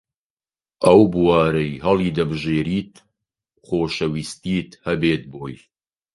ئەو بوارەی هەڵیدەبژێریت خۆشەویستیت هەبێت بۆی